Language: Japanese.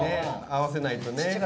合わせないとね。